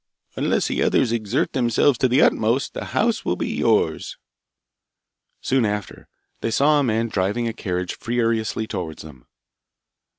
'Unless the others exert themselves to the utmost, the house will be yours.' Soon after they saw a man driving a carriage furiously towards them.